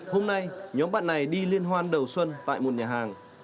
hôm nay nhóm bạn này đi liên hoan đầu xuân tại một nhà hàng